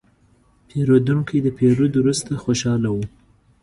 پیرودونکی د پیرود وروسته خوشاله و.